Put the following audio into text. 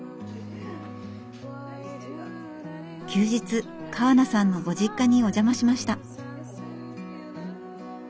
休日川名さんのご実家にお邪魔しました。